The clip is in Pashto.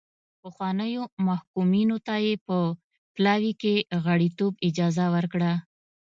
پخوانیو محکومینو ته یې په پلاوي کې غړیتوب اجازه ورکړه.